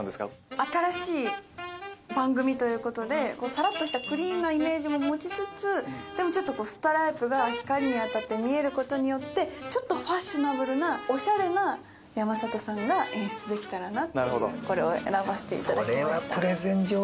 新しい番組ということでさらっとしたクリーンなイメージも持ちつつでもストライプが光に当たって見えることによってちょっとファッショナブルなおしゃれな山里さんが演出できたらなってこれを選ばせていただきました。